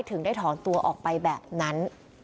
ถึงได้ถอนตัวออกไปแบบนั้น